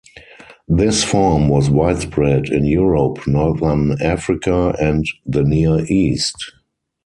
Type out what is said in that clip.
This form was widespread in Europe, Northern Africa and the Near East.